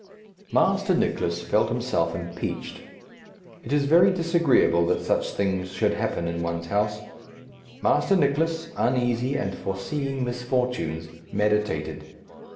Master Nicless felt himself impeached. It is very disagreeable that such things should happen in one's house. Master Nicless, uneasy, and foreseeing misfortunes, meditated.